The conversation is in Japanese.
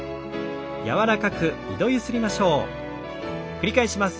繰り返します。